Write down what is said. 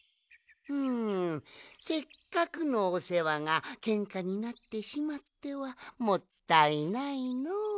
うんせっかくのおせわがけんかになってしまってはもったいないのう。